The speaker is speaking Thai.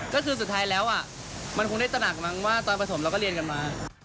ก็คือสุดท้ายแล้วมันคงได้ตระหนักมั้งว่าตอนผสมเราก็เรียนกันมา